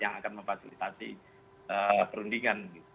yang akan memfasilitasi perundingan